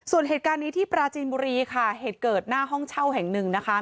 ส่วนเหตุการณ์นี้ที่ปราจีนบุรีค่ะเหตุเกิดหน้าห้องเช่าแห่งหนึ่งนะคะ